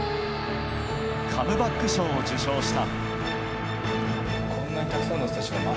カムバック賞を受賞した。